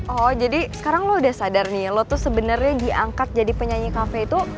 oh jadi sekarang lo udah sadar nih lo tuh sebenarnya diangkat jadi penyanyi kafe itu